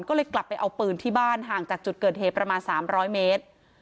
ก็เลยกลับไปเอาปืนที่บ้านห่างจากจุดเกิดเหตุประมาณ๓๐๐เมตร